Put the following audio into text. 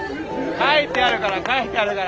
書いてあるから書いてあるから。